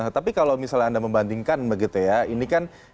tapi kalau misalnya anda membandingkan begitu ya ini kan boleh dibilang kasus korupsi